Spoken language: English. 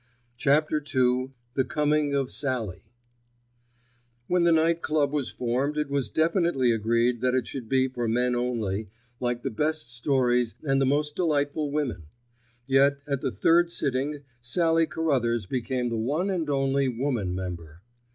*CHAPTER II* *THE COMING OF SALLIE* When the Night Club was formed it was definitely agreed that it should be for men only, like the best stories and the most delightful women; yet at the third sitting Sallie Carruthers became the one and only woman member.